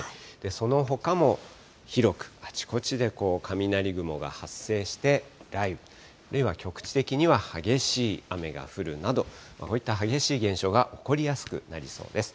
そのほかも広く、あちこちで雷雲が発生して、雷雨、局地的には激しい雨が降るなど、こういった激しい現象が起こりやすくなりそうです。